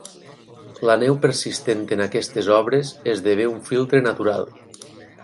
La neu persistent en aquestes obres esdevé un filtre natural.